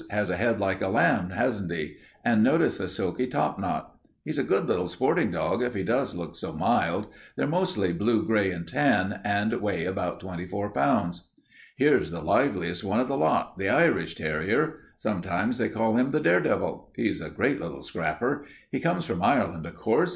Has a head like a lamb, hasn't he? And notice the silky topknot. He's a good little sporting dog if he does look so mild. They're mostly blue gray and tan, and weigh about twenty four pounds. "Here's the liveliest one of the lot, the Irish terrier. Sometimes they call him the dare devil. He's a great little scrapper. He comes from Ireland, of course.